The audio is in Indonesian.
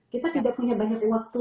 kita tidak punya banyak waktu